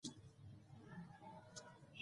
د افغانستان ولايتونه د افغانستان د اقتصاد برخه ده.